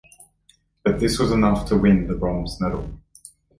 But this was enough to win the bronze medal.